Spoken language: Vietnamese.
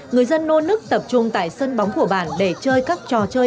người dân nô nức tập trung tại sân bóng của bản để chơi các trò chơi